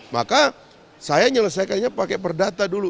maka saya nyelesaikannya pakai perdata dulu